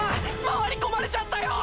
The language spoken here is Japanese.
回り込まれちゃったよ！